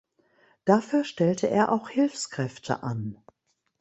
Dafür stellte er auch Hilfskräfte an.